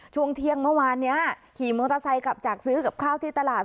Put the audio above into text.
ช่วงเที่ยงเมื่อวานนี้ขี่มอเตอร์ไซค์กลับจากซื้อกับข้าวที่ตลาด